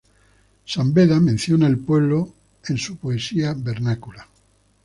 San Beda menciona el pueblo en su poesía vernácula.